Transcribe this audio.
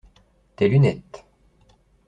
Tes lunettes.